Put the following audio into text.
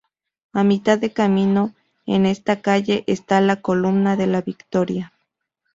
A mitad de camino en esta calle está la Columna de la victoria.